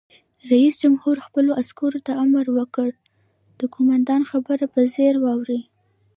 رئیس جمهور خپلو عسکرو ته امر وکړ؛ د قومندان خبره په ځیر واورئ!